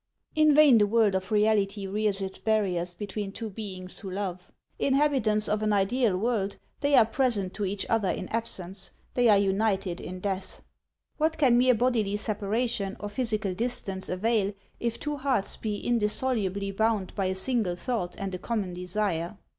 In vain the world of HANS OF ICELAND. 253 reality rears its barriers between two beings who love ; inhabitants of an ideal world, they are present to each other in absence, they are united in death. What can mere bodily separation or physical distance avail if two hearts be indissolubly bound by a single thought and a common desire